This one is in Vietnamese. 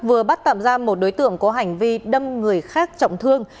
vừa bắt tạm ra một đối tượng có hành vi đâm người khác trọng thương